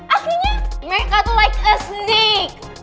akhirnya mereka tuh like a snake